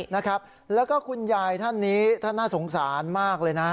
นะครับแล้วก็คุณยายท่านนี้ท่านน่าสงสารมากเลยนะ